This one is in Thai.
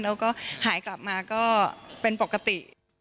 แล้วก็หายกลับมาก็เป็นปกติ